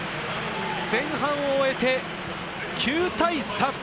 前半を終えて９対３。